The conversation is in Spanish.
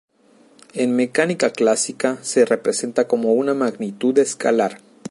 En mecánica clásica se representa como una magnitud escalar.